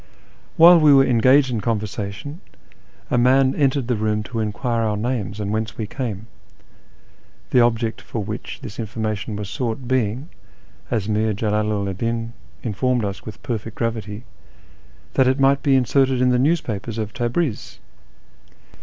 While we were engaged in conversation, a man entered the room to enquire our names and whence we came, the object for which this information was sought being, as Mir Jalalu 'd Din informed us with perfect gravity, that it might be inserted in the newspapers of Tabriz